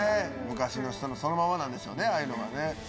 昔の人のそのままなんでしょうねああいうのが。